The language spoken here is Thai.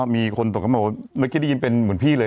มีคนอยู่ตรงนั้นบอกว่าเมื่อกี๊ได้ยินเป็นเหมือนพี่เลย